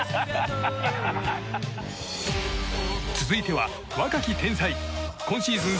続いては、若き天才今シーズン